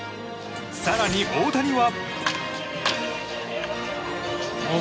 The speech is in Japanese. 更に、大谷は。